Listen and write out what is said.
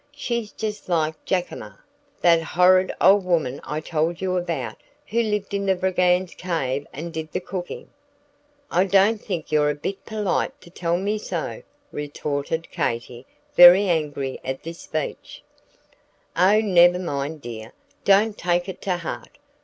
She's just like Jackima, that horrid old woman I told you about, who lived in the Brigand's Cave and did the cooking. "I don't think you're a bit polite to tell me so," retorted Katy, very angry at this speech. "Oh, never mind, dear, don't take it to heart!"